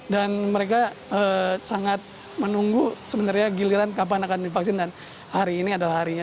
dan mereka sangat menunggu sebenarnya giliran kapan akan divaksin dan hari ini adalah harinya